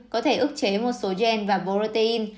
có thể ức chế một số gen và protein